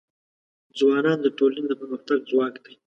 ځوانان د ټولنې د پرمختګ ځواک دی.